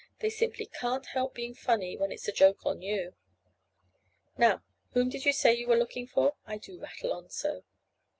They simply can't help being funny when it's a joke on you. Now, whom did you say you were looking for? I do rattle on so!"